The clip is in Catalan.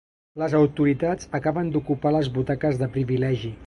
Les autoritats acaben d'ocupar les butaques de privilegi.